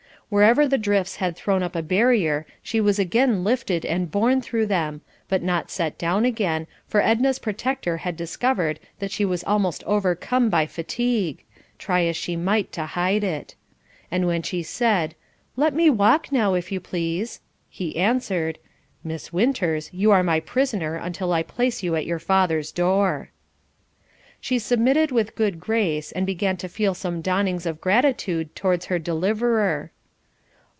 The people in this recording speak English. Wherever the drifts had thrown up a barrier she was again lifted and borne through them, but not set down again, for Edna's protector had discovered that she was almost overcome by fatigue, try as she might to hide it; and when she said, "Let me walk now if you please," he answered: "Miss Winters, you are my prisoner until I place you at your father's, door." She submitted with good grace, and began to feel some dawnings of gratitude towards her deliverer.